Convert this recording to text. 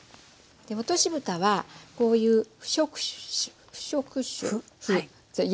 落としぶたはこういう不織布。